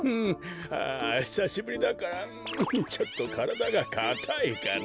あひさしぶりだからんちょっとからだがかたいかな。